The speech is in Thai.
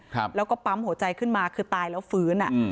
ครับแล้วก็ปั๊มหัวใจขึ้นมาคือตายแล้วฟื้นอ่ะอืม